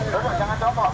duduk jangan jombok